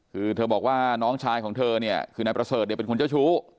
คือเธอบอกว่าน้องชายของเธอเนี่ยคือนายประเสริฐเนี่ยเป็นคนเจ้าชู้